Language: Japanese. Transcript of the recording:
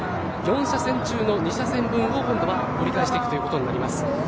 ４車線中の２車線分を今度は折り返していくということになります。